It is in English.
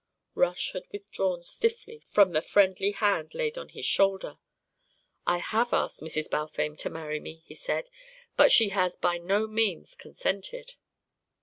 Rush had withdrawn stiffly from the friendly hand laid on his shoulder. "I have asked Mrs. Balfame to marry me," he said. "But she has by no means consented."